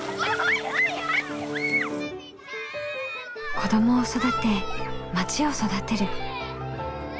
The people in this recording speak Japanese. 子どもを育てまちを育てる。